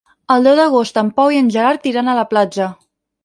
El deu d'agost en Pau i en Gerard iran a la platja.